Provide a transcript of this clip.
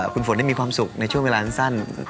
คุณฝนได้มีความสุขในช่วงเวลาสั้น